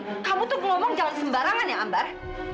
kamu tuh ngomong jangan sembarangan ya ambar